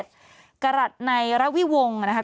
จรรย์การรัฐในรัฟวิวงศ์นะคะ